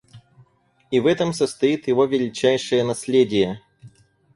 И в этом состоит его величайшее наследие.